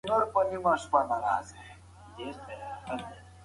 دا خاموشي د ده لپاره د الهام یوه لویه سرچینه وه.